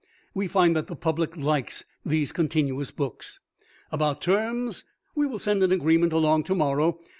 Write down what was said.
We find that the public likes these continuous books. About terms. We will send an agreement along to morrow.